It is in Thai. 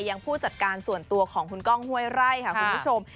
ยังผู้จัดการส่วนตัวของคุณก้องห้วยไร่ค่ะคุณผู้ชม